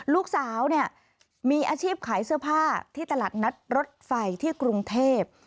ลูกสาวเนี่ยมีอาชีพขายเสื้อผ้าที่ตลาดนัดรถไฟที่กรุงเทพ